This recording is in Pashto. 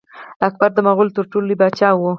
اکبر د مغولو تر ټولو لوی پاچا و.